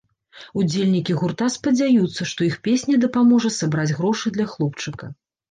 Удзельнікі гурта спадзяюцца, што іх песня дапаможа сабраць грошы для хлопчыка.